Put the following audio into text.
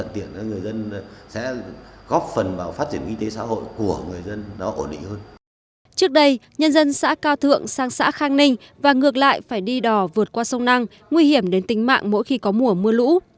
trước đây nhân dân xã cao thượng sang xã khang ninh và ngược lại phải đi đò vượt qua sông năng nguy hiểm đến tính mạng mỗi khi có mùa mưa lũ